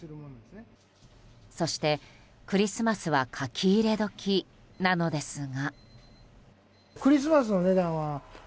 そして、クリスマスは書き入れ時なのですが。